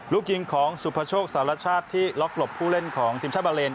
ลูกยิงของสุภโชคสารชาติที่ล็อกหลบผู้เล่นของทีมชาติบาเลน